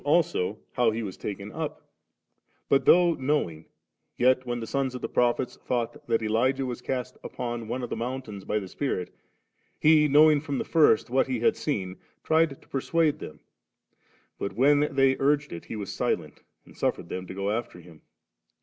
also how he was taken up ; but though know ing, yet when the sons of the Prophets thought that Elijah was cast upon one of the mountains by the Spirit, he knowing from the first what he had seen, tried to persiiade them; but when diey urged it, he was silent, and suffered them to go after him.